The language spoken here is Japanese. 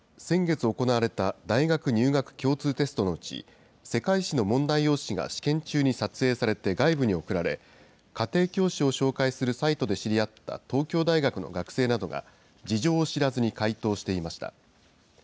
先月行われた大学入学共通テストのうち、世界史の問題用紙が試験中に撮影されて外部に送られ、家庭教師を紹介するサイトで知り合った東京大学の学生などが、事情を知らずに解答していました。